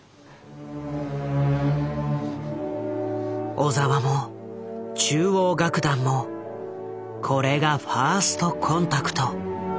小澤も中央楽団もこれがファーストコンタクト。